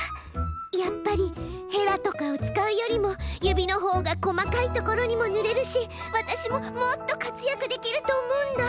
やっぱりヘラとかをつかうよりもゆびのほうがこまかいところにもぬれるしわたしももっとかつやくできるとおもうんだ！